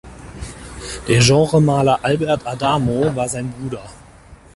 Der Genremaler Albert Adamo war sein Bruder.